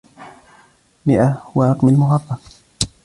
مئة هو رقمي المفضل.